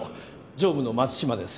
常務の松島です。